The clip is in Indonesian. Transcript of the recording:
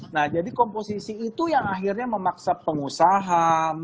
nah jadi komposisi itu yang akhirnya memaksa pengusaha